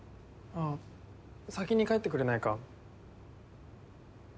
あ先に帰ってくれないか。